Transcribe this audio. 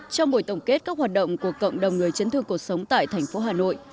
trong buổi tổng kết các hoạt động của cộng đồng người chấn thương cuộc sống tại thành phố hà nội